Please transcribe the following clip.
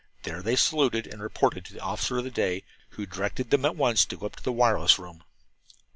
There they saluted and reported to the officer of the day, who directed them to go at once to the wireless room.